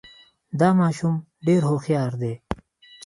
دا ماشوم ډېر هوښیار دی.